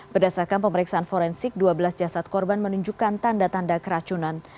berdasarkan pemeriksaan forensik dua belas jasad korban menunjukkan tanda tanda keracunan